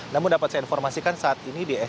namun dapat saya informasikan saat ini di smp